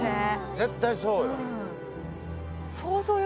絶対そうよ